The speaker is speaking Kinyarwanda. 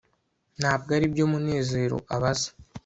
ntabwo aribyo munezero abaza